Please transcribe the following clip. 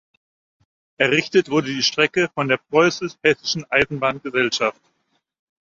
Errichtet wurde die Strecke von der Preußisch-Hessischen Eisenbahngemeinschaft.